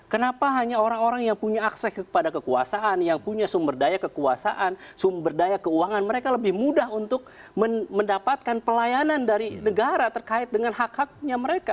kenapa hanya orang orang yang punya akses kepada kekuasaan yang punya sumber daya kekuasaan sumber daya keuangan mereka lebih mudah untuk mendapatkan pelayanan dari negara terkait dengan hak haknya mereka